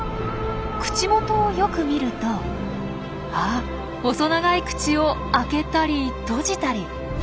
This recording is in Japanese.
口元をよく見るとあっ細長い口を開けたり閉じたり。